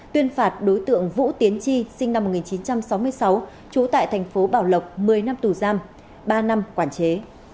tuyên phạt đối tượng vũ tiến chi sinh năm một nghìn chín trăm sáu mươi sáu trú tại thành phố bảo lộc một mươi năm tù giam ba năm quản chế